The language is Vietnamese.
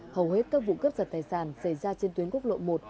hầu hết các vụ cướp giật tài sản xảy ra trên tuyến quốc lộ một